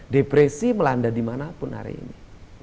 depresi melanda dimanapun hari ini